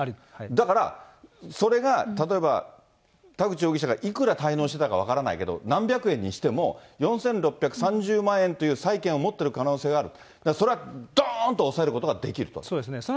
だから、それが例えば、田口容疑者がいくら滞納してたか分からないけど、何百円にしても、４６３０万円という債権を持ってる可能性がある。